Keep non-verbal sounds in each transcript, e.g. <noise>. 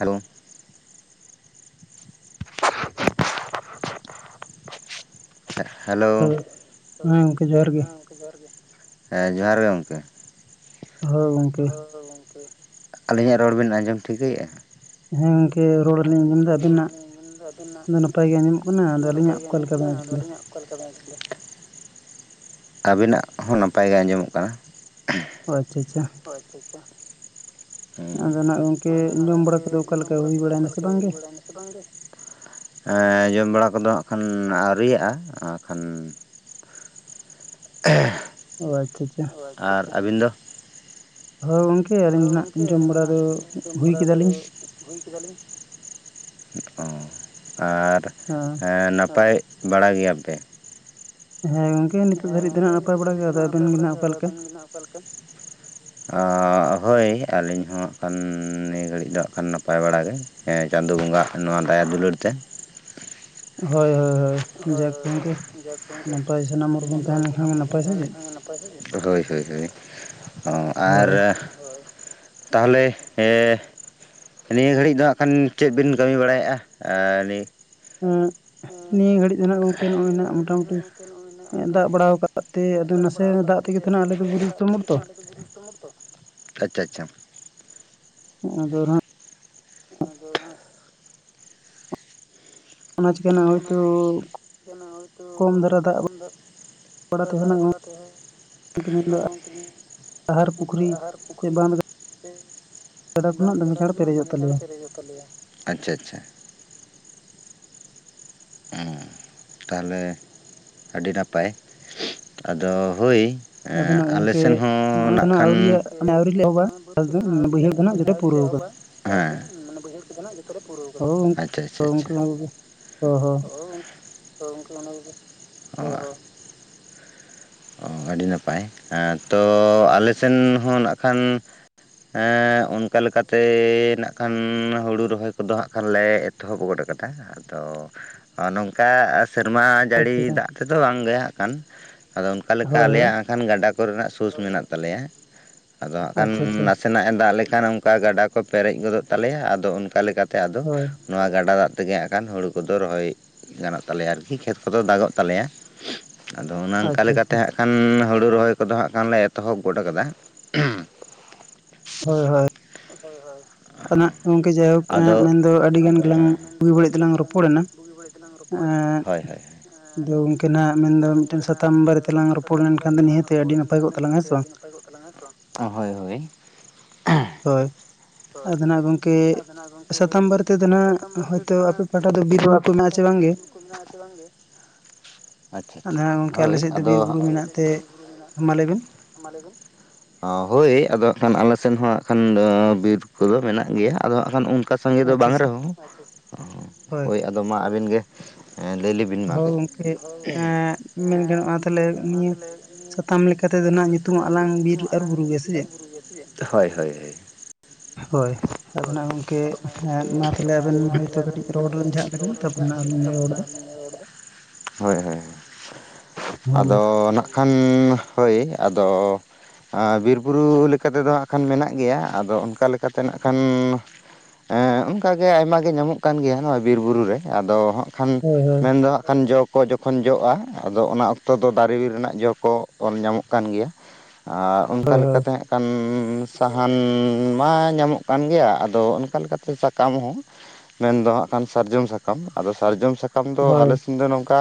Hello. <inaudible> <inaudible> ᱦᱮᱜ-ᱦᱮᱞᱳ᱾ ᱦᱮᱸ ᱜᱚᱝᱠᱮ ᱡᱚᱦᱟᱨ ᱜᱮ᱾ ᱦᱮᱸ ᱡᱚᱦᱟᱨ ᱜᱮ ᱜᱚᱝᱠᱮ᱾ ᱦᱳᱭ ᱦᱳᱭ ᱜᱚᱝᱠᱮ᱾ ᱟᱹᱞᱤᱧᱟᱜ ᱨᱚᱲ ᱵᱤᱱ ᱟᱸᱡᱚᱢ ᱴᱷᱤᱠᱟᱹᱭᱮᱜᱼᱟ? ᱦᱮᱸ ᱜᱚᱝᱠᱮ ᱨᱚᱲ ᱦᱮᱸ ᱜᱚᱝᱠᱮ ᱨᱚᱲᱞᱤᱧ ᱟᱸᱡᱚᱢᱫᱟ ᱟᱵᱤᱱᱟᱜ᱾ ᱤᱧ ᱫᱚ ᱱᱟᱯᱟᱭ ᱜᱮ ᱟᱸᱡᱚᱢ ᱠᱟᱱᱟ ᱟᱫᱚ ᱟᱹᱞᱤᱧᱟᱜ ᱚᱠᱟ ᱞᱮᱠᱟ ᱵᱮᱱ ᱟᱸᱡᱚᱢ ᱫᱟ? ᱟᱵᱤᱱᱟᱜ ᱦᱚᱸ ᱱᱟᱯᱟᱭ ᱜᱮ ᱟᱸᱡᱚᱢᱚᱜ ᱠᱟᱱᱟ᱾ ᱦᱳᱭ <unintelligible> ᱟᱫᱚ ᱱᱟᱜ ᱜᱚᱝᱠᱮ ᱡᱚᱢ ᱵᱟᱲᱟ ᱠᱚᱫᱚ ᱚᱠᱟᱞᱮᱠᱟ ᱦᱩᱭ ᱵᱟᱲᱟᱭᱱᱟ ᱥᱮ ᱵᱟᱝᱜᱮ? ᱵᱟᱲᱟᱭ ᱱᱟᱥᱮ ᱵᱟᱝᱜᱮ? ᱮᱸ ᱡᱚᱢ ᱠᱟᱲᱟ ᱠᱚᱫᱚ ᱦᱟᱸᱜ ᱠᱷᱟᱱ ᱟᱹᱣᱨᱤᱭᱟᱜᱼᱟ ᱟᱠᱷᱟᱱ <inaudible> ᱚ ᱟᱪᱪᱷᱟ ᱟᱪᱷᱟ᱾ ᱟᱨ ᱟᱹᱵᱤᱱ ᱫᱚ? ᱦᱳᱭ ᱜᱚᱝᱠᱮ ᱟᱹᱞᱤᱧ ᱫᱚ ᱱᱟᱦᱜ ᱡᱚᱢ ᱵᱟᱲᱟ ᱫᱚ ᱦᱩᱭ ᱠᱮᱫᱟᱞᱤᱧ ᱾ ᱦᱩᱭ ᱠᱮᱫᱟᱞᱤᱧ᱾ ᱚᱸ ᱟᱨ ᱦᱮᱸ᱾ ᱮᱸ ᱱᱟᱯᱟᱭ ᱵᱟᱲᱟ ᱜᱮᱭᱟᱯᱮ? ᱦᱮᱸ ᱜᱚᱝᱠᱮ ᱱᱤᱛᱚᱜ ᱫᱷᱟᱹᱨᱤᱡ ᱫᱚ ᱱᱟᱦᱜ ᱱᱟᱯᱟᱭ ᱵᱟᱲᱟ ᱜᱮ᱾ ᱟᱫᱚ ᱟᱵᱮᱱ ᱜᱮ ᱱᱟᱦᱜ ᱚᱠᱟᱞᱮᱠᱟ? ᱚᱠᱟ ᱞᱮᱠᱟ? ᱚᱸᱜ ᱦᱳᱭ ᱟᱹᱞᱤᱧ ᱦᱚᱸ ᱦᱟᱸᱜ ᱠᱷᱟᱱ ᱱᱤᱭᱟᱹ ᱜᱷᱟᱹᱲᱤᱡ ᱫᱚ ᱦᱟᱸᱜ ᱠᱷᱟᱱ ᱱᱟᱯᱟᱭ ᱵᱟᱲᱟ ᱜᱮ᱾ ᱮᱸ ᱪᱟᱸᱫᱳ ᱵᱚᱸᱜᱟᱣᱟᱜ ᱱᱚᱣᱟ ᱫᱟᱭᱟ ᱫᱩᱞᱟᱹᱲ ᱛᱮ᱾ ᱦᱳᱭ ᱦᱳᱭ ᱦᱳᱭ ᱡᱟᱠ ᱜᱚᱢᱠᱮ᱾ ᱡᱟᱠ ᱜᱚᱢᱠᱮ ᱱᱟᱯᱟᱭ ᱥᱟᱱᱟᱢ ᱦᱚᱲ ᱵᱚᱱ ᱛᱟᱦᱮᱸ ᱞᱮᱱᱠᱷᱟᱱ ᱜᱮ ᱱᱟᱯᱟᱭ ᱥᱮ ᱪᱮᱫ᱾ ᱦᱳᱭ ᱦᱳᱭ ᱦᱳᱭ᱾ ᱚ ᱟᱨ ᱛᱟᱦᱚᱞᱮ ᱦᱮ᱾ ᱱᱤᱭᱟᱹ ᱜᱷᱟᱹᱲᱤᱡ ᱫᱚ ᱦᱟᱸᱜ ᱠᱷᱟᱱ ᱪᱮᱫ ᱵᱤᱱ ᱠᱟᱹᱢᱤ ᱵᱟᱲᱟᱭᱮᱜᱼᱟ ᱟ ᱞᱤ <unintelligible> ᱱᱤᱭᱟᱹ ᱜᱷᱟᱹᱲᱤᱡ ᱫᱚ ᱱᱟᱦᱜ ᱜᱚᱝᱠᱮ ᱱᱚᱜᱼᱚᱭ ᱱᱟᱜ ᱢᱚᱴᱟᱢᱩᱴᱤ ᱫᱟᱜ ᱵᱟᱲᱟᱟᱣ ᱠᱟᱫ ᱛᱮ ᱟᱫᱚ ᱱᱟᱥᱮ ᱫᱟᱜ ᱛᱮᱜᱮ ᱛᱚ ᱱᱟᱜ ᱟᱞᱮᱫᱚ ᱵᱩᱨᱩ ᱫᱤᱥᱚᱢ ᱦᱚᱲ ᱛᱚ᱾ ᱟᱪᱪᱷᱟ ᱟᱪᱪᱷᱟ᱾ ᱟᱫᱚ ᱱᱟᱦᱟᱜ ᱟᱫᱚ ᱱᱟᱦᱟᱜ ᱚᱱᱟ ᱡᱮᱱᱚ ᱦᱳᱭᱛᱚ ᱠᱚᱢ ᱫᱟᱜ ᱛᱟ ᱵᱟᱲᱟ ᱛᱮᱦᱚᱸᱧ᱾ <unintelligible> ᱢᱮᱱᱫᱚ ᱟᱦᱟᱨ ᱯᱩᱠᱷᱨᱤ ᱛᱮ ᱜᱟᱰᱟ ᱫᱚ ᱱᱟᱦᱟᱜ ᱫᱚᱢᱮ ᱪᱟᱸᱲ ᱯᱮᱨᱮᱡᱚᱜ ᱛᱟᱞᱮᱭᱟ᱾ ᱟᱪᱪᱷᱟ ᱟᱪᱪᱷᱟ᱾ ᱚᱸ ᱛᱟᱦᱚᱞᱮ ᱟᱹᱰᱤ ᱱᱟᱯᱟᱭ᱾ ᱟᱫᱚ ᱦᱳᱭ ᱟᱞᱮ ᱥᱮᱱ ᱦᱚᱸ ᱱᱟᱜ ᱠᱷᱟᱱ ᱥᱮ ᱚᱸ ᱵᱟᱹᱫᱽ ᱠᱚᱫᱚ ᱱᱟᱜ ᱟᱹᱣᱨᱤᱭᱟᱜ ᱢᱟᱱᱮ ᱟᱹᱣᱨᱤ ᱞᱮ ᱮᱦᱚᱵᱟ ᱾ ᱮᱸᱷᱮᱸᱦ, ᱵᱟᱹᱭᱦᱟᱹᱲ ᱠᱚᱫᱚ ᱱᱟᱜ ᱡᱷᱚᱛᱚᱞᱮ ᱯᱩᱲᱟᱹᱣ ᱠᱟᱫᱟ, ᱟᱪ-ᱪᱷᱟ -ᱟᱪ-ᱪᱷᱟ -ᱟᱪᱷᱟ ᱾ ᱳ ᱦᱳᱜ ᱾ ᱦᱳᱭ ᱜᱚᱢᱠᱮ, ᱛᱚ ᱜᱚᱢᱠᱮ ᱚᱱᱟ ᱠᱚᱜᱮ, ᱚᱻᱚᱦ ᱾ ᱚ ᱟᱰᱤ ᱱᱟᱯᱟᱭ, ᱮᱸ ᱛᱚ ᱟᱞᱮ ᱥᱮᱱ ᱦᱚᱸ ᱱᱟᱜ ᱠᱷᱟᱱ ᱮᱸ ᱚᱱᱠᱟ ᱞᱮᱠᱟᱛᱮ ᱱᱟᱜ ᱠᱷᱟᱱ ᱦᱳᱲᱳ ᱨᱚᱦᱚᱭ ᱠᱚᱫᱚ ᱦᱟᱸᱜ ᱠᱷᱟᱱᱞᱮ ᱮ ᱛᱚᱦᱚᱵ ᱜᱚᱫ ᱠᱟᱫᱟ ᱟᱫᱚ ᱱᱚᱝᱠᱟ ᱟ ᱥᱮᱨᱢᱟ ᱡᱟᱲᱤ ᱫᱟᱜ ᱛᱮᱫᱚ ᱵᱟᱝᱜᱮ ᱦᱟᱸᱜ ᱠᱷᱟᱱ ᱟᱫᱚ ᱚᱱᱠᱟ ᱞᱮᱠᱟ ᱟᱞᱮᱭᱟᱜ ᱠᱷᱟᱱ ᱜᱟᱰᱟ ᱠᱚᱨᱮᱱᱟᱜ ᱥᱳᱥ ᱢᱮᱱᱟᱜ ᱛᱟᱞᱮᱭᱟ ᱟᱫᱚ ᱦᱟᱸᱜ ᱠᱷᱟᱱ ᱱᱟᱥ ᱱᱟᱜ ᱮ ᱫᱟᱜ ᱞᱮᱠᱷᱟᱱ ᱚᱱᱠᱟ ᱜᱟᱰᱟ ᱠᱚ ᱯᱮᱨᱮᱡ ᱜᱚᱫᱚᱜ ᱛᱟᱞᱮᱭᱟ ᱟᱫᱚ ᱚᱱᱠᱟ ᱞᱮᱠᱟᱛᱮ ᱟᱫᱚ ᱥᱮᱜ ᱱᱚᱣᱟ ᱜᱟᱰᱟ ᱫᱟᱜ ᱛᱮᱜᱮ ᱦᱟᱸᱜ ᱠᱷᱟᱱ ᱦᱳᱲᱳ ᱠᱚᱫᱚ ᱨᱚᱦᱚᱭ ᱜᱟᱱᱚᱜ ᱛᱟᱞᱮᱭᱟ ᱟᱨᱠᱤ ᱠᱷᱮᱛ ᱠᱚᱫᱚ ᱫᱟᱜᱚᱜ ᱛᱟᱞᱮᱭᱟ ᱥ-ᱩ-ᱜ ᱟᱫᱚ ᱚᱱᱠᱟ ᱞᱮᱠᱟᱛᱮ ᱦᱟᱸᱜ ᱠᱷᱟᱱ ᱦᱳᱲᱩ ᱨᱚᱦᱚᱭ ᱠᱚᱫᱚ ᱦᱟᱸᱜ ᱠᱷᱟᱱᱞᱮ ᱮᱛᱚᱦᱚᱵ ᱜᱚᱫ ᱠᱟᱫᱟ ᱷ-ᱩ-ᱦ ᱾ ᱥ-ᱩ-ᱜ ᱦᱳᱭ- ᱦᱳᱭ ᱾ ᱯᱤᱴᱷᱟᱹᱻ ᱦᱳᱭ -ᱦᱳᱭ ᱾ ᱟᱫᱚ ᱱᱟᱜ ᱜᱚᱝᱠᱮ ᱡᱟᱭᱦᱳᱠ ᱢᱮᱱᱫᱚ ᱟᱰᱤ ᱜᱟᱱ ᱜᱮᱞᱟᱝ ᱵᱩᱜᱤ ᱵᱟᱹᱲᱤᱡ ᱫᱚᱞᱟᱝ ᱨᱚᱯᱚᱲᱮᱱᱟ ᱟᱫᱚ ᱞᱟᱝ ᱨᱚᱯᱚᱲᱮᱱᱟ, ᱦᱳᱭ- ᱦᱳᱭ, ᱮᱸᱜ ᱟᱫᱚ ᱜᱚᱢᱠᱮ ᱱᱟᱜ ᱢᱮᱱᱫᱚ ᱢᱤᱫᱴᱟᱹᱱ ᱥᱟᱛᱟᱢ ᱢᱮᱱᱫᱚ ᱢᱤᱫᱴᱮᱱ ᱥᱟᱛᱟᱢ ᱵᱟᱨᱮᱛᱮᱞᱟᱝ ᱢᱮᱱ ᱫᱚ ᱢᱤᱫᱴᱟᱹᱝ ᱥᱟᱛᱟᱢ ᱵᱟᱨᱮ ᱛᱮᱞᱟᱝ ᱨᱚᱯᱚᱲ ᱞᱮᱱᱠᱷᱟᱱ ᱫᱚ ᱱᱤᱦᱟᱹᱛᱤ ᱟᱹᱰᱤ ᱱᱟᱯᱟᱭ ᱠᱚᱜ ᱛᱟᱞᱟᱝ-ᱟ ᱛᱚ, ᱦᱳᱭ -ᱦᱳᱭ ᱾ ᱦᱳᱭ ᱾ ᱟᱫᱚ ᱱᱟᱜ ᱜ ᱜᱚᱝᱠᱮ ᱥᱟᱛᱟᱢ ᱵᱟᱨᱮ ᱛᱮᱫᱚ ᱱᱟᱜ ᱦᱚᱭᱛᱚ ᱟᱯᱮ ᱯᱟᱦᱴᱟ ᱫᱚ ᱵᱤᱨᱼᱵᱩᱨᱩ ᱠᱚ ᱢᱮᱱᱟᱜ-ᱟ ᱪᱮ ᱵᱟᱝᱜᱮ? ᱠᱩ ᱢᱮᱱᱟᱜ-ᱟ ᱪᱮ ᱵᱟᱝ ᱜᱮ ᱟᱪ-ᱪᱷᱟ ᱟᱪ-ᱪᱷᱟ ᱾ ᱟᱞᱮᱥᱮᱫ ᱫᱚ ᱵᱤᱨ ᱵᱩᱨᱩ ᱢᱮᱱᱟᱜ ᱛᱮ, ᱢᱟ ᱞᱟᱹᱭ ᱵᱤᱱ? ᱢᱟ ᱞᱟᱹᱭ ᱵᱤᱱ? ᱦᱳᱭ ᱟᱫᱚ ᱦᱟᱸᱜ ᱠᱷᱟᱱ ᱟᱞᱮ ᱥᱮᱱ ᱦᱚᱸ ᱦᱟᱸᱜ ᱠᱷᱟᱱ ᱵᱤᱨ ᱠᱚᱫᱚ ᱢᱮᱱᱟᱜ ᱜᱮᱭᱟ ᱟᱫᱚ ᱦᱟᱸᱜ ᱠᱷᱟᱱ ᱚᱱᱠᱟ ᱥᱟᱸᱜᱮ ᱫᱚ ᱵᱟᱝ ᱨᱮᱦᱚᱸ, ᱦᱳᱭ ᱟᱫᱚ ᱢᱟ ᱟᱵᱤᱱ ᱜᱮ ᱞᱟᱹᱭ ᱞᱮᱵ ᱤᱱ ᱢᱟ ᱠᱟᱹᱡ, ᱦᱳᱭ ᱜᱚᱝᱠᱮ ᱾ ᱮᱸᱜ ᱢᱮᱱ ᱜᱟᱱᱚᱜᱼᱟ ᱛᱟᱞᱦᱮ ᱩᱸᱜ ᱥᱟᱛᱟᱢ ᱞᱮᱠᱟ ᱛᱮᱫᱚ ᱞᱟᱝ ᱧᱩᱛᱩᱢ ᱟᱞᱟᱝ ᱵᱤᱨ ᱟᱨ ᱵᱩᱨᱩ ᱜᱮ ᱥᱮ ᱪᱮᱫ? ᱛᱚ ᱦᱳᱭ- ᱦᱳᱭ -ᱦᱳᱭ ᱾ ᱦᱚᱭ, ᱟᱫᱚ ᱱᱟᱜ ᱜᱚᱢᱠᱮ ᱮᱸᱫ -ᱢᱟ ᱛᱟᱞᱦᱮ ᱟᱵᱮᱱ ᱦᱚᱭᱛᱚ ᱠᱟᱹᱴᱤᱡ ᱨᱚᱲ ᱞᱮᱢ ᱡᱷᱟᱜ ᱾ ᱨᱚᱲ ᱨᱮᱢ ᱡᱷᱟᱜ ᱠᱟᱛᱮ ᱛᱚᱠᱷᱱᱟ ᱟᱢᱮᱢ ᱨᱚᱲ ᱮᱫᱟ ᱾ ᱯ-ᱪ-ᱚ-ᱜ, ᱦᱳᱭ -ᱦᱳᱭ, ᱟᱫᱚ ᱱᱟᱜ ᱠᱷᱟᱱ ᱦᱳᱭ, ᱟᱫᱚ ᱟ ᱵᱤᱨᱵᱩᱨᱩ ᱞᱮᱠᱟᱛᱮᱫᱚ ᱦᱟᱸᱜ ᱠᱷᱟᱱ ᱢᱮᱱᱟᱜ ᱜᱮᱭᱟ ᱟᱫᱚ ᱚᱱᱠᱟ ᱞᱮᱠᱟᱛᱮ ᱱᱟᱜ ᱠᱷᱟᱱ-ᱱ ᱦᱮᱸ, ᱚᱱᱠᱟᱜᱮ ᱟᱭᱢᱟ ᱜᱮ ᱧᱟᱢᱚᱜ ᱠᱟᱱ ᱜᱮᱭᱟ ᱱᱚᱣᱟ ᱵᱤᱨ ᱵᱩᱨᱩ ᱨᱮ ᱟᱫᱚ ᱠᱷᱟᱱ, ᱢᱮᱱᱫᱚ ᱦᱟᱸᱜ ᱠᱷᱟᱱ ᱡᱚ ᱠᱚ ᱡᱚᱠᱷᱚᱱ ᱡᱚᱜᱼᱟ ᱟᱫᱚ ᱚᱱᱟ ᱚᱠᱛᱚ ᱫᱚ ᱫᱟᱨᱮᱹ ᱨᱮᱱᱟᱜ ᱡᱚ ᱠᱚ ᱚ ᱧᱟᱢᱚᱜ ᱠᱟᱱ ᱜᱮᱭᱟ᱾ ᱟ ᱚᱱᱠᱟ ᱞᱮᱠᱟ ᱛᱮ ᱦᱟᱸᱜ ᱠᱷᱟᱱ ᱥᱟᱦᱟᱱ- ᱱ ᱢᱟ ᱧᱟᱢᱚᱜ ᱠᱟᱱ ᱜᱮᱭᱟ ᱟᱫᱚ ᱚᱱᱠᱟ ᱞᱮᱠᱟᱛᱮ ᱥᱟᱠᱟᱢ ᱦᱚᱸ ᱢᱮᱱᱫᱚ ᱦᱟᱸᱜ ᱠᱷᱟᱱ ᱥᱟᱨᱡᱚᱢ ᱥᱟᱠᱟᱢ ᱟᱫᱚ ᱥᱟᱨᱡᱚᱢ ᱥᱟᱠᱟᱢ ᱫᱚ ᱟᱞᱮ ᱥᱮᱱ ᱫᱚ ᱱᱚᱝᱠᱟ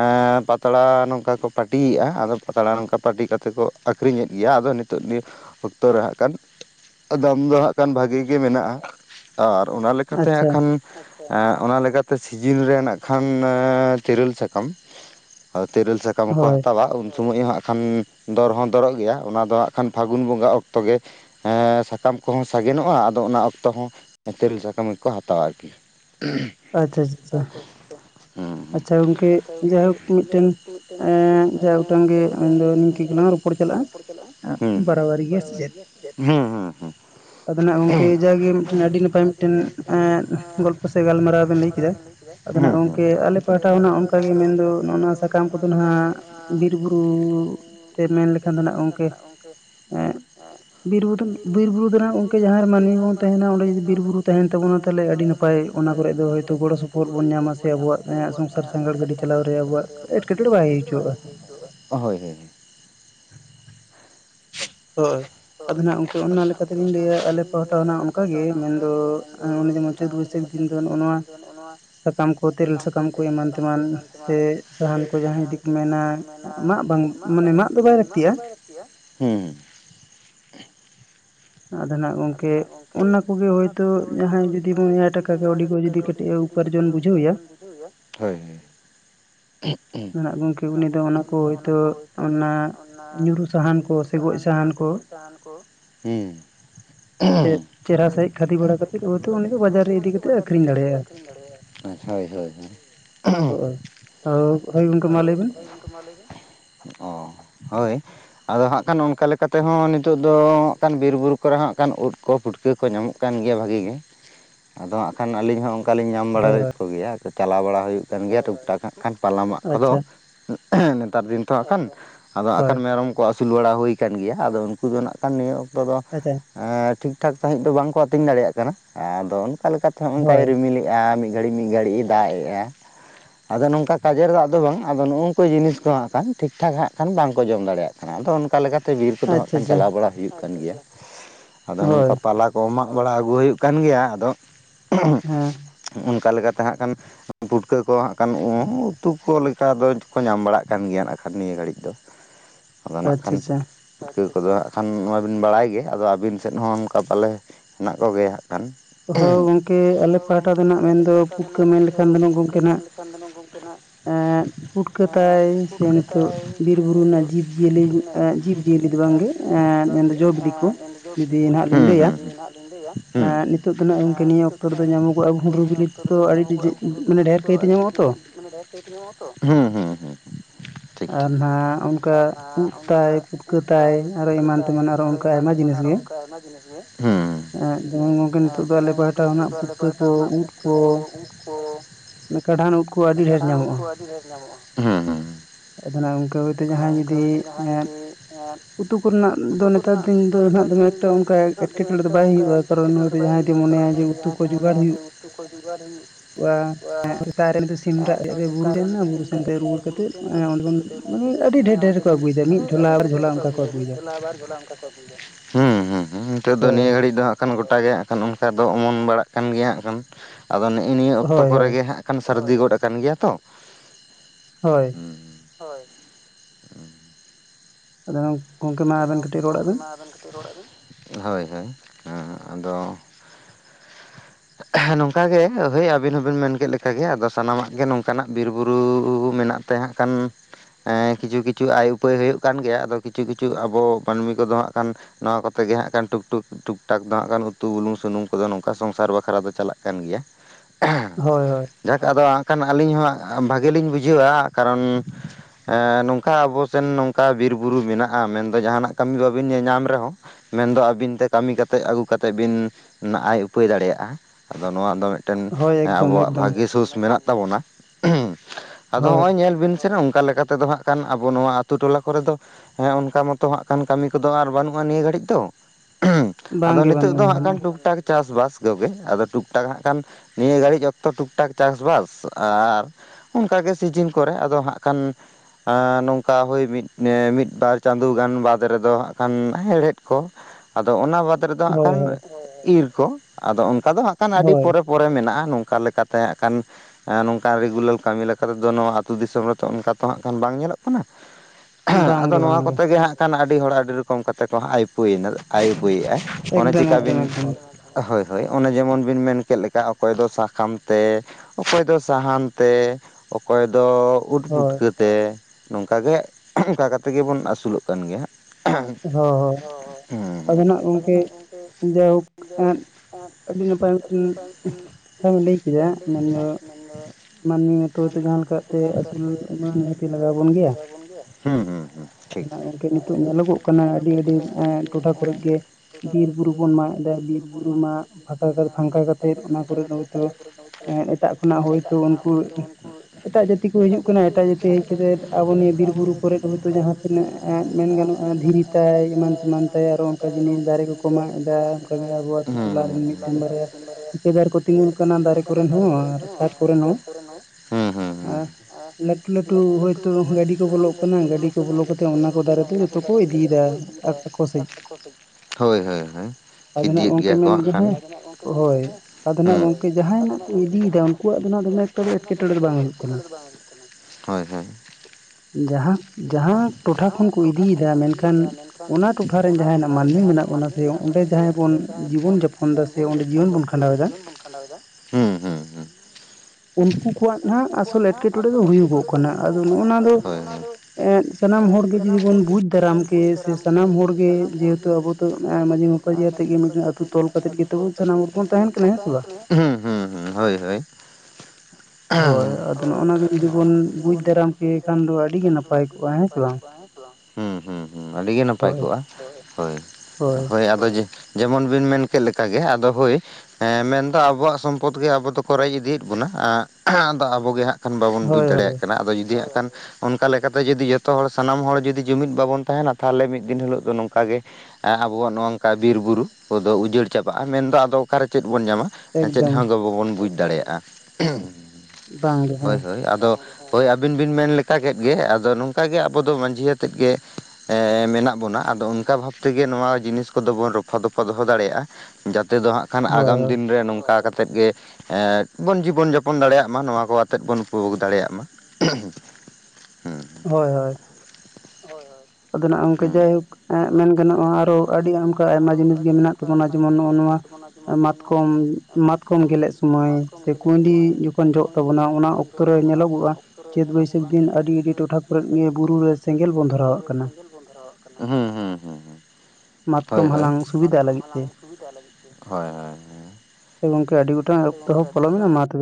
ᱮᱸ ᱯᱟᱛᱲᱟ ᱱᱚᱝᱠᱟ ᱠᱚ ᱯᱟᱴᱤᱭᱮᱜᱼᱟ ᱟᱫᱚ ᱯᱟᱛᱲᱟ ᱱᱚᱝᱠᱟ ᱯᱟᱴᱤ ᱠᱟᱛᱮ ᱠᱚ ᱟᱹᱠᱷᱨᱤᱧᱮᱫ ᱜᱮᱭᱟ ᱟᱫᱚ ᱱᱤᱛᱳᱜ ᱱᱤ ᱥᱳᱛ-ᱛᱳᱨ ᱦᱟᱸᱜ ᱠᱷᱟᱱ ᱫᱟᱢ ᱫᱚ ᱦᱟᱸᱜ ᱠᱷᱟᱱ ᱵᱷᱟᱜᱮᱹ ᱜᱮ ᱢᱮᱱᱟᱜᱼᱟ᱾ ᱥ-ᱩ-ᱜ ᱟᱨ ᱚᱱᱟ ᱞᱮᱠᱟᱛᱮ ᱦᱟᱸᱜ ᱠᱷᱟᱱ ᱟᱪ-ᱪᱷᱟ, ᱥ-ᱟ-ᱜ ᱚᱱᱟ ᱞᱮᱠᱟᱛᱮ ᱥᱤᱡᱤᱱ ᱨᱮ ᱱᱟᱜ ᱠᱷᱟᱱ ᱛᱮᱹᱨᱮᱹᱞ ᱥᱟᱠᱟᱢ᱾ ᱛᱮᱹᱨᱮᱹᱞ ᱥᱟᱠᱟᱢ ᱦᱚᱸᱠᱚ ᱦᱟᱛᱟᱣᱟ᱾ᱩᱱ ᱥᱚᱢᱚᱭ ᱦᱚᱸ ᱦᱟᱸᱜ ᱠᱷᱟᱱ ᱫᱚᱨ ᱦᱚᱸ ᱫᱚᱨᱚᱜ ᱜᱮᱭᱟ ᱚᱱᱟ ᱫᱚ ᱦᱟᱸᱜ ᱠᱷᱟᱱ ᱯᱷᱟᱹᱜᱩᱱ ᱵᱚᱸᱜᱟ ᱚᱠᱛᱚ ᱜᱮ ᱥ-ᱤ-ᱜ ᱾ ᱦᱮᱸ ᱥᱟᱠᱟᱢ ᱠᱚᱦᱚᱸ ᱥᱟᱸᱜᱮᱱᱚᱜᱼᱟ ᱟᱫᱚ ᱚᱱᱟ ᱚᱠᱛᱚ ᱦᱚᱸ ᱛᱮᱨᱮᱞ ᱥᱟᱠᱟᱢ ᱜᱮᱠᱚ ᱦᱟᱛᱟᱣᱟ ᱟᱨᱠᱤ᱾ <unintelligible> ᱟᱪᱪᱷᱟ ᱟᱪᱪᱷᱟ ᱪᱷᱟ ᱟᱪᱪᱷᱟ ᱜᱚᱝᱠᱮ ᱡᱟᱭᱦᱳᱠ ᱡᱟᱭ ᱦᱳᱠ ᱢᱤᱫᱴᱮᱱ ᱮᱸ <unintelligible> ᱨᱚᱯᱚᱲ ᱪᱟᱞᱟᱜᱼᱟ᱾ ᱦᱩᱸ ᱦᱩᱸ ᱵᱟᱨᱟ ᱵᱟᱨᱤ ᱜᱮᱭᱟ ᱪᱮᱫ ᱦᱩᱸ ᱦᱩᱸ ᱦᱩᱸ᱾ ᱟᱫᱚ ᱱᱟᱸᱜ ᱜᱚᱢᱠᱮ ᱡᱟᱜᱮ ᱢᱤᱫᱴᱮᱱ ᱟᱹᱰᱤ ᱱᱟᱯᱟᱭ ᱢᱤᱫᱴᱮᱱ ᱮᱸᱫ ᱜᱚᱞᱯᱚ ᱥᱮ ᱜᱟᱞᱢᱟᱨᱟᱣ ᱵᱮᱱ ᱞᱟᱹᱭ ᱠᱮᱫᱼᱟ, ᱟᱫᱚ ᱱᱟᱸᱜ ᱜᱚᱝᱠᱮ ᱟᱞᱮ ᱯᱟᱦᱟᱴᱟ ᱦᱚᱸ ᱱᱟᱸᱜ ᱚᱱᱠᱟᱜ ᱜᱮ ᱢᱮᱱᱫᱚ ᱱᱚᱜᱼᱱᱟ ᱱᱚᱜᱼᱱᱟ ᱥᱟᱠᱟᱢ ᱠᱚᱫᱚ ᱱᱟᱦᱟᱸᱜ ᱵᱤᱨ-ᱵᱩᱨᱩ ᱯᱮ ᱢᱮᱱ ᱞᱮᱠᱷᱟᱱ ᱫᱚ ᱱᱟᱸᱜ ᱜᱚᱢᱠᱮ ᱮᱸᱜ ᱵᱤᱨ-ᱵᱩᱨᱩ ᱵᱤᱨ-ᱵᱩᱨᱩ ᱫᱚ ᱱᱟᱸᱜ ᱜᱚᱢᱠᱮ ᱡᱟᱦᱟᱸ ᱨᱮ ᱢᱟᱹᱱᱢᱤ ᱵᱚᱱ ᱛᱟᱸᱦᱮᱱᱟ ᱚᱸᱰᱮ ᱡᱩᱫᱤ ᱵᱤᱨ-ᱵᱩᱨᱩ ᱛᱟᱸᱦᱮᱱ ᱛᱟᱵᱚᱱᱟ ᱛᱟᱦᱚᱞᱮ ᱟᱹᱰᱤ ᱱᱟᱯᱟᱭ ᱚᱱᱟ ᱠᱚᱨᱮ ᱫᱚ ᱦᱳᱭᱛᱚ ᱜᱚᱲᱚ ᱥᱚ ᱯᱚᱦᱚᱫ ᱵᱚᱱ ᱧᱟᱢᱟ ᱥᱮ ᱟᱵᱚᱣᱟᱜ ᱟᱭᱟᱜ ᱥᱚᱝᱥᱟᱨ ᱥᱟᱸᱜᱷᱟᱨ ᱜᱟᱹᱰᱤ ᱪᱟᱞᱟᱣ ᱨᱮ ᱟᱵᱚᱣᱟᱜ ᱮᱸᱴᱠᱮᱴᱚᱬᱮ ᱵᱟᱭ ᱦᱩᱭ ᱦᱚᱪᱚᱣᱟᱜᱼᱟ᱾ ᱦᱳᱭ ᱦᱳᱭ᱾ ᱦᱳᱭ᱾ ᱟᱫᱚ ᱱᱟᱸᱟᱜ ᱜᱚᱢᱠᱮ ᱚᱱᱟ ᱞᱮᱠᱟᱛᱮᱞᱤᱧ ᱞᱟᱹᱭᱟ ᱟᱞᱮ ᱯᱟᱦᱴᱟ ᱱᱟᱜ ᱚᱱᱠᱟᱜᱮ ᱢᱮᱱᱫᱚ ᱚᱱᱮ ᱡᱮᱢᱚᱱ ᱪᱟᱹᱛ ᱵᱟᱹᱭᱥᱟᱹᱠᱷ ᱫᱤᱱ ᱫᱤᱱ ᱫᱚ ᱱᱚᱜᱼᱱᱚᱣᱟ ᱥᱟᱠᱟᱢ ᱠᱚ ᱛᱮᱨᱮᱞ ᱥᱟᱠᱟᱢ ᱠᱚ ᱮᱢᱟᱱ ᱛᱮᱢᱟᱱ ᱥᱮ ᱥᱟᱦᱟᱱ ᱠᱚ ᱡᱟᱦᱟᱸᱭ ᱡᱩᱫᱤ ᱠᱚ ᱢᱮᱱᱟ ᱢᱟᱜ ᱵᱟᱝ ᱢᱟᱱᱮ ᱢᱟᱜ ᱫᱚ ᱵᱟᱭ ᱞᱟᱹᱠᱛᱤᱜᱼᱟ, ᱦᱩᱸ᱾ ᱟᱫᱚ ᱱᱟᱸᱜ ᱜᱚᱝᱠᱮ ᱚᱱᱟ ᱠᱚᱜᱮ ᱦᱳᱭᱛᱳ ᱡᱟᱦᱟᱸᱭ ᱡᱩᱫᱤ <unintelligible> <unintelligible> ᱩᱯᱟᱨᱡᱚᱱ ᱵᱩᱡᱷᱟᱹᱣ ᱮᱭᱟ ᱦᱳᱭ ᱦᱳᱭ᱾ <unintelligible> ᱜᱚᱝᱠᱮ ᱩᱱᱤ ᱫᱚ ᱚᱱᱟ ᱠᱚ ᱦᱚᱭᱛᱳ ᱚᱱᱟ ᱧᱩᱨᱦᱩ ᱥᱟᱦᱟᱱ ᱠᱚ ᱥᱮ ᱜᱚᱡ ᱥᱟᱦᱟᱱ ᱠᱚ ᱦᱩᱸ ᱵᱮᱥ ᱪᱮᱦᱨᱟ ᱥᱟᱺᱦᱤᱡ ᱠᱷᱟᱫᱤ ᱵᱟᱲᱟ ᱠᱟᱛᱮ ᱦᱚᱳᱛᱳ ᱱᱩᱤ ᱫᱚ ᱵᱟᱡᱟᱨ ᱨᱮ ᱤᱫᱤ ᱠᱟᱛᱮ ᱟᱹᱠᱷᱨᱤᱧ ᱫᱟᱲᱮᱭᱟᱜ-ᱟᱭ᱾ ᱦᱳᱭ ᱦᱳᱭ ᱦᱳᱭ᱾ ᱦᱳ ᱦᱳ ᱦᱳᱭ ᱜᱚᱢᱠᱮ ᱢᱟ ᱞᱟᱹᱭᱵᱤᱱ᱾ ᱢᱟ ᱞᱮᱭ ᱵᱤᱱ᱾ ᱚ ᱦᱳᱭ ᱟᱫᱚ ᱦᱟᱸᱜ ᱠᱷᱟᱱ ᱚᱱᱠᱟ ᱞᱮᱠᱟ ᱛᱮᱦᱚᱸ ᱱᱤᱛᱚᱜ ᱫᱚ ᱦᱟᱸᱜ ᱠᱷᱟᱱ ᱵᱤᱨ ᱵᱩᱨᱩ ᱠᱚᱨᱮ ᱦᱟᱸᱜ ᱠᱷᱟᱱ ᱩᱫᱽ ᱠᱚ ᱯᱩᱴ ᱠᱟᱹ ᱠᱚ ᱧᱟᱢᱚᱜ ᱠᱟᱱ ᱜᱮᱭᱟ ᱵᱷᱟᱜᱤ ᱜᱮ ᱟᱫᱚ ᱦᱟᱸᱜ ᱠᱷᱟᱱ ᱟᱹᱞᱤᱧ ᱦᱚᱸ ᱠᱟ ᱞᱤᱧ ᱧᱟᱢ ᱵᱟᱲᱟ ᱞᱮᱫ ᱠᱚᱜᱮᱭᱟ ᱪᱟᱞᱟᱣ ᱵᱟᱲᱟ ᱦᱩᱭᱩᱜ ᱠᱟᱱ ᱜᱮᱭᱟ ᱴᱩᱠ ᱴᱟᱠ ᱦᱟᱸᱜ ᱠᱷᱟᱱ ᱯᱟᱞᱟ ᱢᱟᱜ ᱠᱚᱫᱚ᱾ ᱱᱮᱛᱟᱨ ᱫᱤᱱ ᱛᱚ ᱦᱟᱸᱜ ᱠᱷᱟᱱ ᱟᱫᱚ ᱦᱟᱸᱜ ᱠᱷᱟᱱ ᱢᱮᱨᱚᱢ ᱠᱚ ᱟᱹᱥᱩᱞ ᱵᱟᱲᱟ ᱦᱩᱭᱠᱟᱱ ᱜᱮᱭᱟ ᱟᱫᱚ ᱩᱱ ᱠᱩ ᱫᱚ ᱱᱟᱸᱜ ᱠᱷᱟᱱ ᱱᱤᱭᱟᱹ ᱚᱠᱛᱚ ᱫᱚ ᱮᱸ ᱴᱷᱤᱠ ᱴᱷᱟᱠ ᱥᱟᱺᱦᱤᱡ ᱫᱚ ᱵᱟᱝᱠᱚ ᱟᱹᱛᱤᱧ ᱫᱟᱲᱮᱭᱟᱜ ᱠᱟᱱᱟ ᱟᱫᱚ ᱚᱱᱠᱟ ᱞᱮᱠᱟᱛᱮᱭ ᱚᱱᱠᱟᱭ ᱨᱤᱢᱤᱞᱮᱜᱼᱟᱭ ᱢᱤᱫ ᱜᱷᱟᱹᱲᱤᱡ ᱢᱤᱫ ᱜᱷᱟᱹᱲᱤᱡ ᱮ ᱫᱟᱜ ᱮᱜᱼᱟ ᱟᱫᱚ ᱱᱚᱝ ᱠᱟ ᱠᱟᱡᱮᱨ ᱫᱟᱜ ᱫᱚ ᱵᱟᱝ ᱟᱫᱚ ᱱᱩᱜ ᱩᱝᱠᱩ ᱡᱤᱱᱤᱥ ᱠᱚ ᱦᱟᱸᱜ ᱠᱷᱟᱱ ᱴᱷᱤᱠ ᱴᱷᱟᱠ ᱦᱟᱸᱜ ᱠᱷᱟᱱ ᱵᱟᱝᱠᱚ ᱡᱚᱢ ᱫᱟᱲᱮᱭᱟᱜ ᱠᱟᱱᱟ ᱟᱫᱚ ᱚᱱᱠᱟ ᱞᱮᱠᱟ ᱛᱮ ᱵᱤᱨ ᱠᱚᱫᱚ ᱦᱟᱸᱜ ᱪᱟᱞᱟᱣ ᱵᱟᱲᱟ ᱦᱩᱭᱩᱜ ᱠᱟᱱ ᱜᱮᱭᱟ, ᱟᱫᱚ ᱱᱚᱝᱠᱟ ᱯᱟᱞᱟ ᱠᱚ ᱢᱟᱜ ᱵᱟᱲᱟ ᱟᱹᱜᱩ ᱦᱩᱭᱩᱜ ᱠᱟᱱ ᱜᱮᱭᱟ ᱟᱫᱚ ᱦᱚᱸᱜ ᱱᱚᱝᱠᱟ ᱞᱮᱠᱟᱛᱮ ᱦᱟᱸᱜ ᱠᱷᱟᱱ ᱯᱩᱴᱠᱟᱹ ᱠᱚ ᱦᱟᱸᱜ ᱠᱷᱟᱱ ᱦᱩᱸ ᱩᱛᱩ ᱠᱚ ᱞᱮᱠᱟ ᱫᱚ ᱠᱚ ᱧᱟᱢ ᱵᱟᱲᱟᱜ ᱠᱟᱱ ᱜᱮᱭᱟ ᱱᱟᱜ ᱠᱷᱟᱱ ᱱᱤᱭᱟᱹ ᱜᱷᱟᱹᱲᱤᱡ ᱫᱚ᱾ ᱟᱫᱚ ᱱᱟᱜ ᱠᱷᱟᱱ ᱯᱩᱴᱠᱟᱹ ᱠᱚᱫᱚ ᱦᱟᱸᱜ ᱠᱷᱟᱱ ᱱᱚᱣᱟᱵᱤᱱ ᱵᱟᱰᱟᱭ ᱜᱮ ᱟᱫᱚ ᱟᱹᱵᱤᱱ ᱥᱮᱫ ᱦᱚᱸ ᱚᱱᱠᱟ ᱯᱟᱞᱮ ᱦᱮᱱᱟᱜ ᱠᱚᱜᱮᱭᱟ ᱦᱟᱸᱜ ᱠᱷᱟᱱ, ᱦᱳᱭ ᱜᱚᱢᱠᱮ ᱟᱞᱮ ᱯᱟᱦᱟᱴᱟ ᱫᱚ ᱱᱟᱸᱜ ᱢᱮᱱᱫᱚ ᱯᱩᱴᱠᱟᱹ ᱢᱮᱱ ᱞᱮᱠᱷᱟᱱ ᱫᱚ ᱜᱚᱢᱠᱮ ᱱᱟᱸᱜ <inaudible> ᱮᱸᱜ ᱯᱩᱴᱠᱟᱹ ᱛᱟᱭ ᱥᱮ ᱱᱤᱛᱚᱜ ᱵᱤᱨᱵᱩᱨᱩ ᱨᱮᱱᱟᱜ ᱡᱤᱵ ᱡᱤᱭᱟ. ᱞᱤ <unintelligible> ᱦᱩᱸ ᱦᱩᱸ ᱦᱩᱸ᱾ ᱱᱤᱛᱚᱜ ᱫᱚ ᱱᱟᱜ ᱜᱚᱢᱠᱮ ᱱᱤᱭᱟᱹ ᱚᱠᱛᱚ ᱨᱮᱫᱚ ᱧᱟᱢᱚᱜᱼᱟ ᱟᱵᱚ ᱦᱚᱸ ᱨᱩ ᱵᱤᱞᱤ ᱛᱚ ᱟᱹᱰᱤ ᱢᱟᱱᱮ ᱰᱷᱮᱨ ᱠᱟᱭᱛᱮ ᱧᱟᱢᱚᱜᱼᱟ ᱛᱚ, ᱦᱩᱸ ᱦᱩᱸ ᱦᱩᱸ ᱴᱷᱤᱠ ᱴᱷᱤᱠ ᱟᱨ ᱱᱟ ᱚᱱᱠᱟ ᱩᱫ ᱛᱟᱭ ᱯᱩᱴᱠᱟᱹ ᱛᱟᱭ ᱟᱨᱚ ᱮᱢᱟᱱ ᱛᱮᱢᱟᱱ ᱟᱨᱚ᱾ ᱚᱱᱠᱟ ᱟᱭᱢᱟ ᱡᱤᱱᱤᱥ ᱜᱮ ᱦᱩ ᱦᱮᱸ ᱡᱮᱢᱚᱱ ᱜᱚᱝᱠᱮ ᱱᱤᱛᱚᱜ ᱫᱚ᱾ ᱡᱮᱢᱚᱱ ᱜᱚᱝᱠᱮ ᱱᱤᱛᱚᱜ ᱫᱚ ᱟᱞᱮ ᱯᱟᱦᱟᱴᱟ ᱠᱷᱚᱱᱟᱜ ᱯᱷᱩᱴᱠᱟᱹ ᱠᱚ ᱩᱫ ᱠᱚ᱾ ᱠᱟᱴᱷᱟᱱ ᱩᱫ ᱠᱟᱰᱷᱟᱱ ᱩᱫ ᱠᱚ ᱟᱹᱰᱤ ᱰᱷᱮᱨ ᱧᱟᱢᱚᱜᱼᱟ ᱦᱩ ᱦᱩ᱾ ᱟᱫᱚ ᱱᱚᱝᱠᱟ ᱦᱚᱭᱛᱳ ᱡᱟᱦᱟᱸᱭ ᱡᱩᱫᱤ ᱮ ᱩᱛᱩ ᱠᱚᱨᱮᱱᱟᱜ ᱫᱚ ᱱᱤᱛ᱾ ᱱᱮᱛᱟᱨ ᱫᱤᱱ ᱫᱚ ᱱᱟᱦᱟᱜ ᱫᱚᱢᱮ ᱮᱠᱴᱟ ᱚᱱᱠᱟ ᱮᱴᱠᱮᱴᱚᱬᱮ ᱫᱚ ᱵᱟᱭ ᱦᱩᱭᱩᱜᱼᱟ ᱠᱟᱨᱚᱱ᱾ ᱵᱟᱭ ᱦᱩᱭᱩᱜᱼᱟ ᱠᱟᱨᱚᱱ ᱱᱩᱭ ᱫᱚ ᱡᱟᱦᱟᱸ ᱢᱚᱱᱮᱭᱟ ᱡᱮ ᱩᱛᱩ ᱠᱷᱚᱱ ᱡᱚᱜᱟᱨ ᱦᱩᱭᱩᱜᱼᱟ᱾ ᱥᱤᱢ ᱨᱮ ᱵᱩᱨᱩᱮᱱ ᱵᱩᱨᱩ ᱥᱮᱱᱛᱮ ᱨᱩᱣᱟᱹᱲ ᱠᱟᱛᱮ ᱚᱸᱰᱮ ᱢᱟᱱᱮ ᱟᱹᱰᱤ ᱰᱷᱮᱨ ᱰᱷᱮᱨ᱾ ᱟ. ᱰᱤ ᱰᱷᱮᱨ ᱰᱷᱮᱨ ᱠᱚ ᱟᱹᱜᱩ ᱡᱟ. ᱱᱤᱡ ᱠᱟᱱᱟ ᱱᱤᱛᱚᱜ ᱫᱚ ᱱᱤᱭᱟᱹ ᱜᱷᱟᱹᱲᱤᱡ ᱫᱚ ᱦᱟᱜ ᱠᱷᱟᱱ ᱜᱚᱴᱟᱜᱮ ᱦᱟᱠᱟᱱ ᱠᱷᱟᱱ ᱚᱱᱠᱟ ᱫᱚ ᱚᱢᱚᱱ ᱵᱟᱲᱟᱜ ᱠᱟᱱ ᱜᱮᱭᱟ ᱦᱟᱸᱜ ᱠᱷᱟᱱ ᱟᱫᱚ ᱱᱤᱭᱟᱹ ᱚᱠᱛᱚ ᱠᱚᱨᱮ ᱜᱮ ᱦᱟᱸᱜ᱾ ᱵᱟᱠᱷᱟᱱ ᱥᱟᱹᱨᱫᱤ ᱜᱚᱫ ᱟᱠᱟᱱ ᱜᱮᱭᱟ ᱛᱚ᱾ ᱦᱳᱭ ᱦᱳᱭ ᱟᱫᱚ ᱜᱚᱢᱠᱮ ᱢᱟ ᱟᱵᱮᱱ ᱠᱟᱹᱴᱤᱡ ᱨᱚᱲᱟᱜ ᱵᱮᱱ᱾ ᱟᱵᱮᱱ ᱠᱟᱹᱴᱤᱡ ᱨᱚᱲᱟᱜ ᱵᱤᱱ᱾ ᱦᱳᱭ ᱦᱳᱭ ᱦᱮ ᱟᱫᱚ᱾ ᱦᱮ ᱱᱚᱝᱠᱟ ᱜᱮ ᱦᱳᱭ ᱟᱹᱵᱤᱱ ᱦᱚᱸᱵᱤᱱ ᱢᱮᱱ ᱠᱮᱫ ᱞᱮᱠᱟᱜᱮ ᱟᱫᱚ ᱥᱟᱱᱟᱢᱟᱜ ᱜᱮ ᱱᱚᱝᱠᱟᱱᱟᱜ ᱵᱤᱨ ᱵᱩᱨᱩ ᱢᱮᱱᱟᱜ ᱛᱮ ᱦᱟᱸᱜ ᱠᱷᱟᱱ ᱠᱤᱪᱷᱩ ᱠᱤᱪᱷᱩ ᱟᱭ ᱩᱯᱟᱹᱭ ᱦᱩᱭᱩᱜ ᱠᱟᱱ ᱜᱮᱭᱟ ᱟᱫᱚ ᱠᱤᱪᱷᱩ ᱠᱤᱪᱷᱩ᱾ ᱠᱤᱪᱷᱩ ᱟᱵᱚ ᱢᱟᱹᱱᱢᱤ ᱠᱚᱫᱚ ᱦᱟᱸᱜ ᱠᱷᱟᱱ ᱱᱚᱣᱟ ᱠᱚᱛᱮ ᱜᱮ ᱦᱟᱸᱜ ᱠᱷᱟᱱ ᱴᱩᱠ ᱴᱩᱠ᱾ ᱴᱩᱠ ᱴᱟᱠ ᱫᱚ ᱦᱟᱜ ᱠᱷᱟᱱ ᱩᱛᱩ ᱵᱩᱞᱩᱝ ᱥᱩᱱᱩᱢ ᱠᱚᱫᱚ ᱱᱚᱝᱠᱟ ᱥᱚᱝᱥᱟᱨ ᱵᱟᱠᱷᱨᱟ ᱫᱚ ᱪᱟᱞᱟᱜ ᱠᱟᱱ ᱜᱮᱭᱟ᱾ ᱦᱳᱭ ᱦᱳᱭ ᱡᱟᱠ ᱟᱫᱚᱠᱷᱟᱱ ᱟᱹᱞᱤᱧ ᱦᱚᱸ ᱵᱷᱟᱜᱮ ᱞᱤᱧ ᱵᱩᱡᱷᱟᱹᱣᱟ ᱠᱟᱨᱚᱱ᱾ ᱮ ᱱᱚᱝᱠᱟ ᱟᱵᱚ ᱥᱮᱱ ᱱᱚᱝᱠᱟ ᱵᱤᱨᱼᱵᱩᱨᱩ ᱢᱮᱱᱟᱜᱼᱟ ᱢᱮᱱᱫᱚ ᱡᱟᱦᱟᱱᱟᱜ ᱠᱟᱹᱢᱤ ᱵᱟᱹᱵᱤᱱ ᱧᱮᱧᱟᱢ ᱨᱮᱦᱚᱸ᱾ ᱢᱮᱱᱫᱚ ᱟᱹᱵᱤᱱ ᱛᱮ ᱠᱟᱹᱢᱤ ᱠᱟ ᱠᱟᱛᱮᱫ ᱟᱹᱜᱩ ᱠᱟᱛᱮᱫ ᱵᱤᱱ ᱟᱭ ᱩᱯᱟᱹᱭ ᱫᱟᱲᱮᱭᱟᱜᱼᱟ ᱟᱫᱚ ᱱᱚᱣᱟ ᱫᱚ ᱢᱤᱫ᱾ ᱢᱤᱫᱴᱮᱱ ᱟᱵᱚᱣᱟᱜ ᱵᱷᱟᱹᱜᱤ ᱥᱩᱥ ᱢᱮᱱᱟᱜ ᱛᱟᱵᱚᱱᱟᱸ᱾ ᱟᱫᱚ ᱦᱚᱸᱜᱼᱚᱭ ᱧᱮᱞ ᱵᱤᱱ ᱥᱮ ᱚᱱᱠᱟ ᱞᱮᱠᱟ ᱛᱮᱫᱚ ᱦᱟᱜ ᱠᱷᱟᱱ ᱟᱵᱚ ᱱᱚᱣᱟ ᱟᱹᱛᱩ ᱴᱚᱞᱟ ᱠᱚᱨᱮ ᱫᱚ᱾ ᱦᱮᱸ ᱚᱱᱠᱟ ᱢᱚᱛᱚ ᱦᱟᱸᱜ ᱠᱟᱱ ᱠᱟᱹᱢᱤ ᱠᱚᱫᱚ ᱟᱨ ᱵᱟᱹᱱᱩᱜᱼᱟ ᱱᱤᱭᱟᱹ ᱜᱷᱟᱹᱲᱤᱡ ᱫᱚ᱾ ᱟᱫᱚ ᱱᱤᱛᱳᱜ ᱫᱚ ᱦᱟᱜ ᱠᱷᱟᱱ ᱴᱩᱠ ᱴᱟᱠ ᱪᱟᱥᱵᱟᱥ ᱜᱮ ᱟᱫᱚ ᱴᱩᱠ ᱴᱟᱠ ᱦᱟᱜ ᱠᱷᱟᱱ᱾ ᱱᱤᱭᱟᱹ ᱜᱷᱟᱹᱲᱤᱡ ᱚᱠᱛᱚ ᱴᱩᱠ ᱴᱟᱠ ᱪᱟᱥᱵᱟᱥ ᱟᱨ᱾ ᱚᱱᱠᱟᱜᱮ ᱥᱤᱡᱤᱱ ᱠᱚᱨᱮ ᱟᱫᱚ ᱦᱟᱸᱜ ᱠᱷᱟᱱ ᱱᱚᱝᱠᱟ ᱦᱳᱭ ᱢᱤᱫ᱾ ᱵᱟᱨ ᱪᱟᱸᱫᱳ ᱜᱟᱱ ᱵᱟᱫᱽ ᱨᱮᱫᱚ ᱦᱟᱸᱜ ᱠᱷᱟᱱ ᱦᱮᱲᱦᱮᱫ ᱠᱚ ᱟᱫᱚ ᱚᱱᱟ ᱵᱟᱫᱽ ᱨᱮᱫᱚ ᱦᱟᱸᱜ ᱠᱷᱟᱱ᱾ ᱤᱨ ᱠᱚ ᱟᱫᱚ ᱚᱱᱠᱟ ᱫᱚ ᱦᱟᱸᱜ ᱠᱷᱟᱱ ᱟᱹᱰᱤ ᱯᱚᱨᱮ ᱯᱚᱨᱮ ᱢᱮᱱᱟᱜᱼᱟ ᱱᱚᱝᱠᱟ ᱞᱮᱠᱟᱛᱮ ᱦᱟᱸ ᱠᱷᱟᱱ᱾ ᱱᱚᱝᱠᱟᱱ ᱨᱮᱜᱩᱞᱟᱨ ᱠᱟᱹᱢᱤ ᱞᱮᱠᱟ ᱛᱮᱫᱚ ᱱᱚᱣᱟ ᱟᱹᱛᱩ ᱫᱤᱥᱚᱢ ᱨᱮᱫᱚ ᱚᱱᱠᱟ ᱛᱚ ᱦᱟᱸᱜ ᱠᱷᱟᱱ ᱵᱟᱝ ᱧᱮᱞᱚᱜ ᱠᱟᱱᱟ᱾ ᱵᱟᱝ ᱱᱚᱣᱟ ᱠᱚᱛᱮᱜ ᱜᱮ ᱦᱟᱸᱜ ᱠᱷᱟᱱ ᱟᱹᱰᱤ ᱦᱚᱲ ᱟᱹᱰᱤ ᱨᱚᱠᱚᱢ ᱠᱟᱛᱮ ᱠᱚ ᱦᱟᱸᱜ ᱟᱭᱯᱩᱭᱮᱱᱟ᱾ ᱟᱭ ᱩᱯᱩᱭᱮᱫᱼᱟᱭ ᱚᱱᱟᱮ ᱪᱤᱠᱟᱹ ᱵᱤᱱ᱾ ᱦᱳᱭ ᱦᱳᱭ ᱚᱱᱮ ᱡᱮᱢᱚᱱ ᱵᱤᱱ ᱢᱮᱱ ᱠᱮᱫ ᱞᱮᱠᱟ ᱚᱠᱚᱭ ᱫᱚ ᱥᱟᱠᱟᱢ ᱛᱮ᱾ ᱚᱠᱚᱭ ᱫᱚ ᱥᱟᱦᱟᱱ ᱛᱮ ᱚᱠᱚᱭ ᱫᱚ᱾ ᱩᱫ ᱯᱩᱴᱠᱟᱹᱛᱮ ᱱᱚᱝᱠᱟ ᱜᱮ ᱚᱱᱠᱟ ᱠᱟᱛᱮ ᱜᱮᱵᱚᱱ ᱟᱹᱥᱩᱞᱚᱜ ᱠᱟᱱ ᱜᱮᱭᱟ ᱦᱟᱸᱜ᱾ <unintelligible> ᱟᱫᱚ ᱱᱟᱜ ᱜᱚᱝᱠᱮ <unintelligible> <unintelligible> ᱢᱟᱹᱱᱢᱤ ᱢᱚᱛᱚ ᱜᱮᱛᱚ ᱡᱟᱦᱟᱸᱮ ᱞᱮᱠᱟᱛᱮ ᱟᱹᱥᱩᱞ ᱱᱤᱦᱟᱹᱛᱤ ᱞᱟᱜᱟᱣ ᱵᱚᱱ ᱜᱮᱭᱟ᱾ ᱦᱩᱸ᱾ ᱟᱫᱚ ᱱᱟᱜ ᱜᱚᱝᱠᱮ ᱱᱤᱛᱚᱜ ᱧᱮᱞᱚᱜᱚᱜ ᱠᱟᱱᱟ, ᱟᱹᱰᱤ ᱟᱹᱰᱤ ᱴᱚᱴᱷᱟ ᱠᱚᱨᱮ ᱜᱮ ᱵᱤᱨ-ᱵᱩᱨᱩ ᱵᱚᱱ ᱢᱟᱜ ᱮᱫᱟ᱾ ᱵᱤᱨ ᱵᱩᱨᱩ ᱢᱟ ᱯᱷᱟᱸᱠᱟ ᱯᱷᱟᱸᱠᱟ ᱠᱟᱛᱮᱫ ᱚᱱᱟ ᱠᱚᱨᱮᱫ ᱦᱚᱭᱼᱛᱚ ᱮᱴᱟᱜ ᱠᱷᱚᱱᱟᱜ ᱦᱚᱭᱼᱛᱚ ᱩᱱᱠᱩ ᱮᱴᱟᱜ ᱡᱟᱹᱛᱤ ᱠᱚ ᱦᱤᱡᱩᱜ ᱠᱟᱱᱟ, ᱮᱴᱟᱜ ᱡᱟᱹᱛᱤ ᱦᱮᱡ ᱠᱟᱛᱮᱫ ᱟᱵᱚ ᱱᱤᱭᱟᱹ ᱵᱤᱨ ᱵᱩᱨᱩ ᱠᱚᱨᱮᱫ ᱦᱚᱭᱼᱛᱳ ᱡᱟᱦᱟᱸ ᱛᱤᱱᱟᱹᱜ ᱢᱮᱱ ᱜᱟᱱᱚᱜᱼᱟ, ᱫᱷᱤᱨᱤ ᱛᱟᱭ ᱮᱢᱟᱱ ᱮᱢᱟᱱ ᱛᱟᱭ ᱟᱨᱚ ᱚᱱᱠᱟ ᱡᱤᱱᱤᱥ ᱫᱟᱨᱮ ᱠᱚᱠᱚ ᱢᱟᱜ ᱮᱫᱟ᱾ ᱚᱱᱠᱟ ᱜᱮ ᱟᱵᱚ ᱟᱹᱛᱩ ᱴᱚᱞᱟ ᱨᱮᱱ ᱢᱤᱫᱴᱮᱱ ᱵᱟᱨᱭᱟ ᱴᱷᱤᱠᱟᱹᱫᱟᱨ ᱠᱚ ᱛᱤᱸᱜᱩᱱ ᱟᱠᱟᱱᱟ᱾ ᱫᱟᱨᱮ ᱠᱚᱨᱮᱱ ᱦᱚᱸ ᱟᱨ ᱠᱟᱴ ᱠᱚᱨᱮᱱ ᱦᱚᱸ <unintelligible> ᱦᱩᱸ, ᱦᱩᱸ᱾ ᱟᱨ ᱞᱟᱹᱴᱩ ᱞᱟᱹᱴᱩ ᱦᱳᱭᱼᱛᱚ ᱜᱟᱹᱰᱤ ᱠᱚ ᱵᱚᱞᱚᱜ ᱠᱟᱱᱟ᱾ ᱜᱟᱹᱰᱤ ᱜᱟᱹᱰᱤ ᱠᱚ ᱵᱚᱞᱚ ᱠᱟᱛᱮ ᱫᱟᱨᱮ ᱡᱚᱛᱚ ᱠᱚ ᱤᱫᱤᱭ ᱮᱫᱟ, ᱚᱠᱚ ᱥᱮᱫ, ᱦᱳᱭ ᱦᱳᱭ ᱾ ᱤᱫᱤᱭᱮᱫ ᱜᱮᱭᱟ ᱠᱚ, ᱦᱟᱸᱜ ᱠᱷᱟᱱ ᱦᱩᱸ ᱩᱱᱠᱩᱣᱟᱜ ᱫᱚ ᱫᱚᱢᱮ ᱮᱴᱠᱮᱴᱚᱬᱮ ᱫᱚ ᱵᱟᱝ ᱦᱩᱭᱩᱜ ᱠᱟᱱᱟ, ᱦᱳᱭ ᱦᱳᱭ᱾ ᱡᱟᱦᱟᱸ ᱡᱟᱦᱟᱸ ᱡᱟᱦᱟᱸ ᱴᱚᱴᱷᱟ ᱠᱷᱚᱱ ᱠᱚ ᱤᱫᱤᱭ ᱮᱫᱟ, ᱢᱮᱱᱠᱷᱟᱱ ᱚᱱᱟ ᱴᱚᱴᱷᱟ ᱨᱮᱱ ᱡᱟᱦᱟᱭ ᱱᱟᱜ ᱢᱟᱹᱱᱢᱤ ᱢᱮᱱᱟᱜ ᱵᱚᱱᱟ ᱥᱮ ᱚᱸᱰᱮ ᱡᱟᱦᱟᱸ ᱵᱚᱱ ᱡᱤᱵᱚᱱ ᱡᱚᱛᱚᱱ ᱮᱫᱟ, ᱥᱮ ᱚᱸᱰᱮ ᱡᱤᱭᱚᱱ ᱵᱚᱱ ᱠᱷᱟᱸᱰᱟᱣ ᱮᱫᱟ᱾ ᱦᱩᱸ ᱦᱩᱸ᱾ ᱩᱱᱠᱩ ᱠᱚᱣᱟᱜ ᱱᱟᱜ ᱟᱥᱚᱞ ᱮᱴᱠᱮᱴᱚᱬᱮ ᱫᱚ ᱦᱩᱭᱩᱜ ᱠᱟᱱᱟ᱾ ᱟᱫᱚ ᱱᱚᱜᱼᱚᱭ ᱫᱚ ᱥᱟᱱᱟᱢ ᱦᱚᱲ ᱜᱮ ᱡᱩᱫᱤ ᱵᱚᱱ ᱫᱩᱜ ᱫᱟᱨᱟᱢ ᱠᱮ ᱥᱮ ᱥᱟᱱᱟᱢ ᱦᱚᱲ ᱜᱮ ᱡᱮᱦᱮᱛᱩ ᱟᱵᱚ ᱫᱚ ᱢᱟᱹᱡᱷᱤ ᱢᱟᱮ ᱱᱚᱝᱠᱟ ᱜᱮ ᱟᱹᱛᱩ ᱛᱚᱞ ᱠᱟᱛᱮᱱ ᱛᱟᱦᱮᱱ ᱠᱟᱱᱟ, ᱦᱳᱭ ᱦᱳᱭ, <inaudible> ᱦᱳᱭ ᱟᱫᱚ ᱱᱚᱜᱼᱚᱭ ᱱᱚᱣᱟ ᱜᱮ ᱡᱩᱫᱤ ᱵᱚᱱ ᱵᱩᱡ ᱫᱟᱨᱟᱢ ᱠᱮ ᱠᱷᱟᱱ ᱫᱚ ᱟᱹᱰᱤ ᱜᱮ ᱱᱟᱯᱟᱭ ᱦᱩᱸ ᱦᱩᱸ ᱦᱩᱸ, ᱟᱹᱰᱤ ᱜᱮ ᱱᱟᱯᱟᱭ ᱠᱚᱜᱼᱟ, ᱦᱳᱭ ᱦᱳᱭ ᱟᱫᱚ ᱡᱮ ᱡᱮᱢᱚᱱ ᱵᱤᱱ ᱢᱮᱱ ᱠᱮᱫ ᱞᱮᱠᱟ ᱜᱮ, ᱟᱫᱚ ᱦᱳᱭ ᱦᱮᱸ ᱢᱮᱱ ᱫᱚ ᱟᱵᱚᱣᱟᱜ ᱥᱚᱢᱯᱚᱫ ᱜᱮ ᱟᱵᱚ ᱫᱚ ᱠᱚ ᱨᱮᱡ ᱤᱫᱤᱭᱮᱫ ᱵᱚᱱᱟ᱾ ᱟᱫᱚ ᱟᱵᱚ ᱜᱮ ᱦᱟᱸᱜ ᱠᱷᱟᱱ ᱵᱟᱵᱚᱱ ᱵᱩᱡ ᱫᱟᱲᱮᱭᱟᱜ ᱠᱟᱱᱟ᱾ ᱟᱫᱚ ᱡᱩᱫᱤ ᱦᱟᱸᱜ ᱠᱷᱟᱱ ᱚᱱᱠᱟ ᱞᱮᱠᱟ ᱛᱮ ᱛᱮ ᱡᱩᱫᱤ ᱡᱚᱛᱚ ᱦᱚᱲ ᱥᱟᱱᱟᱢ ᱦᱚᱲ ᱡᱩᱫᱤ ᱡᱩᱢᱤᱫ ᱵᱟᱵᱚᱱ ᱛᱟᱦᱮᱱᱟ, ᱛᱟᱦᱞᱮ ᱢᱤᱫ ᱫᱤᱱ ᱦᱤᱞᱚᱜ ᱫᱚ ᱱᱚᱝᱠᱟ ᱜᱮ ᱟᱹᱻ ᱟᱵᱚᱣᱟᱜ ᱱᱚᱜᱼᱚᱭ ᱱᱚᱝᱠᱟ ᱵᱤᱨ ᱵᱩᱨᱩ ᱠᱚᱫᱚ ᱩᱡᱟᱹᱲ ᱪᱟᱵᱟᱜᱼᱟ᱾ ᱢᱮᱱ ᱫᱚ ᱟᱫᱚ ᱚᱠᱟᱨᱮ ᱪᱮᱫ ᱵᱚᱱ ᱧᱟᱢᱟ? ᱪᱮᱫ ᱦᱚᱸ ᱵᱟᱵᱚᱱ ᱵᱩᱡᱽ ᱫᱟᱲᱮᱭᱟᱜᱼᱟ᱾ ᱦᱳᱭ ᱦᱳᱭ ᱟᱫᱚ ᱦᱳᱭ ᱟᱹᱵᱤᱱ ᱵᱤᱱ ᱢᱮᱱ ᱞᱮᱠᱟ ᱠᱮᱫ ᱜᱮ᱾ ᱟᱫᱚ ᱱᱚᱝᱠᱟ ᱜᱮ ᱟᱵᱚ ᱫᱚ ᱢᱟᱺᱡᱷᱤ ᱟᱛᱮᱫ ᱜᱮ ᱢᱮᱱᱟᱜ ᱵᱚᱱᱟ᱾ ᱟᱫᱚ ᱚᱱᱠᱟ ᱵᱷᱟᱵᱽ ᱛᱮᱜᱮ ᱱᱚᱣᱟ ᱡᱤᱱᱤᱥ ᱠᱚᱫᱚ ᱵᱚᱱ ᱨᱚᱯᱷᱟ ᱫᱚᱯᱷᱟ ᱫᱚᱦᱚ ᱫᱟᱲᱮᱭᱟᱜᱼᱟ᱾ ᱡᱟᱛᱮ ᱫᱚ ᱦᱟᱸᱜ ᱠᱷᱟᱱ ᱟᱜᱟᱢ ᱫᱤᱱ ᱨᱮ ᱱᱚᱝᱠᱟ ᱠᱟᱛᱮᱫ ᱜᱮ ᱮᱻ ᱵᱚᱱ ᱡᱤᱵᱚᱱ ᱡᱟᱯᱚᱱ ᱫᱟᱲᱮᱭᱟᱜᱼᱢᱟ᱾ ᱱᱚᱣᱟ ᱠᱚ ᱟᱛᱮᱜ ᱵᱚᱱ ᱩᱯᱚᱵᱚᱜᱽ ᱫᱟᱲᱮᱭᱟᱜᱼᱢᱟ ᱾ ᱦᱳᱭ, ᱦᱳᱭ᱾ ᱦᱳᱭ, ᱦᱳᱭ᱾ ᱟᱫᱚ ᱱᱚᱜᱼᱚᱭ ᱚᱝᱠᱟ ᱡᱟᱭᱦᱚᱠ ᱢᱮᱱ ᱜᱟᱱᱚᱜ-ᱟ, ᱟᱨᱚ ᱟᱹᱰᱤ ᱚᱱᱠᱟ ᱟᱭᱢᱟ ᱡᱤᱱᱤᱥ ᱜᱮ ᱢᱮᱱᱟᱜ ᱛᱟᱵᱚᱱᱟ ᱡᱮᱢᱚᱱ ᱱᱚᱜᱼᱚᱭ ᱱᱚᱣᱟ ᱢᱟᱛᱠᱚᱢ ᱢᱟᱛᱠᱚᱢ ᱜᱮᱞᱮᱫ ᱥᱩᱢᱚᱭ ᱥᱮ ᱠᱩᱸᱭᱰᱤ ᱡᱚᱠᱷᱚᱱ ᱡᱚᱜ ᱛᱟᱵᱚᱱᱟ᱾ ᱚᱱᱟ ᱚᱠᱛᱚ ᱚᱠᱛᱚ ᱨᱮ ᱧᱮᱞᱚᱜᱼᱟ, ᱪᱟᱹᱛ ᱵᱟᱹᱭᱥᱟᱹᱠᱷ ᱫᱤᱱ ᱟᱹᱰᱤ ᱟᱹᱰᱤ ᱴᱚᱴᱷᱟ ᱠᱚᱨᱮ ᱜᱮ ᱵᱩᱨᱩ ᱨᱮ ᱥᱮᱸᱜᱮᱞ ᱵᱚᱱ ᱫᱷᱚᱨᱟᱜᱼᱟ᱾ ᱥᱮᱜᱮᱞ ᱵᱚᱱ ᱫᱷᱚᱨᱟᱣᱟᱜ ᱠᱟᱱᱟ᱾ ᱦᱩᱸ ᱦᱩᱸ᱾ ᱦᱳᱭ ᱦᱳᱭ ᱢᱟᱛᱚᱢ ᱦᱟᱞᱟᱝ ᱥᱩᱵᱤᱫᱷᱟ ᱞᱟᱹᱜᱤᱫ, ᱦᱳᱭ ᱦᱳᱭ᱾ ᱥᱮ ᱜᱚᱝᱠᱮ ᱟᱹᱰᱤ ᱜᱚᱴᱟᱝ ᱚᱠᱛᱚ ᱦᱚᱸ ᱯᱚᱞᱚᱢᱮᱱᱟ ᱢᱟ ᱛᱚᱵᱮ᱾